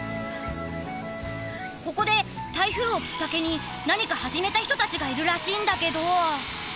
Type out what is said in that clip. ここで台風をきっかけに何か始めた人たちがいるらしいんだけど。